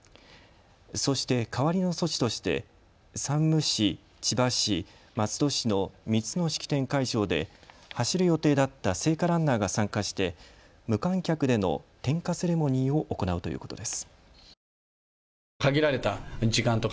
そして代わりの措置として山武市、千葉市、松戸市の３つの式典会場で走る予定だった聖火ランナーが参加して無観客での点火セレモニーを行うということです。